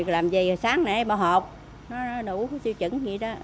làm gì sáng nãy bỏ hộp đủ siêu chứng